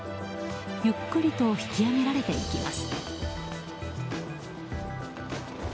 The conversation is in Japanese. ゆっくりと引き上げられていきます。